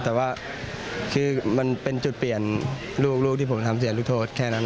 แต่ว่าคือมันเป็นจุดเปลี่ยนลูกที่ผมทำเสียลูกโทษแค่นั้น